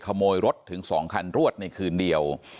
ขโมยรถถึง๒คันรวดในคืนเดียว